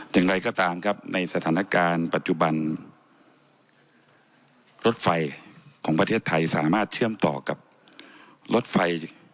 อย่างไรก็ตามครับในสถานการณ์ปัจจุบันรถไฟของประเทศไทยสามารถเชื่อมต่อกับรถไฟ